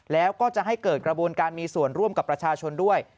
แล้วก็จะให้เกิดกระบวนการมีส่วนร่วมกับประชาชนด้วย